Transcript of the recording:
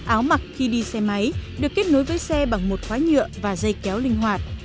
áo mặc khi đi xe máy được kết nối với xe bằng một khóa nhựa và dây kéo linh hoạt